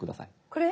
これ？